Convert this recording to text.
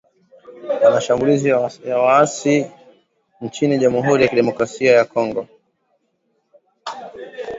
mashambulizi ya waasi hao nchini jamhuri ya kidemokrasia ya Kongo